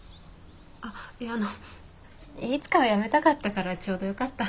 あっいやあのいつかは辞めたかったからちょうどよかった。